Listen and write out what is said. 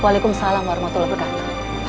waalaikumsalam warahmatullahi wabarakatuh